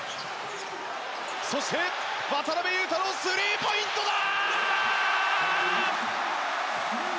そして渡邊雄太のスリーポイントだ！